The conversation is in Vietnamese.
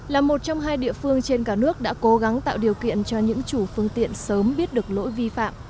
là một trong hai địa phương trên cả nước đã cố gắng tạo điều kiện cho những chủ phương tiện sớm biết được lỗi vi phạm